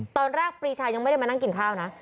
ปรีชายังไม่ได้มานั่งกินข้าวนะ